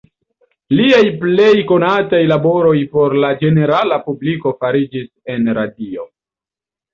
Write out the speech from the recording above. Liaj plej konataj laboroj por la ĝenerala publiko fariĝis en radio.